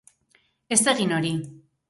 Ez egin hori.